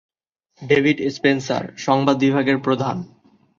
David Spencer সংবাদ বিভাগের প্রধান।